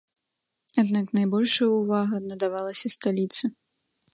Аднак найбольшая ўвага надавалася сталіцы.